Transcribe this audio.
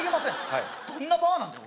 どんなバーなんだよ